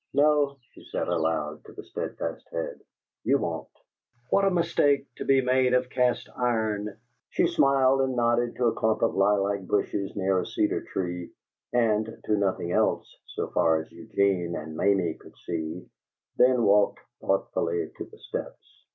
"No?" she said, aloud, to the steadfast head. "You won't? What a mistake to be made of cast iron!" She smiled and nodded to a clump of lilac bushes near a cedar tree, and to nothing else so far as Eugene and Mamie could see, then walked thoughtfully to the steps.